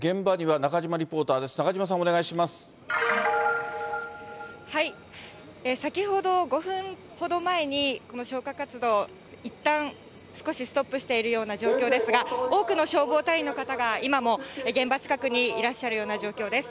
なかじまさん、先ほど５分ほど前に、この消火活動、いったん少しストップしているような状況ですが、多くの消防隊員の方が今も現場近くにいらっしゃるような状況です。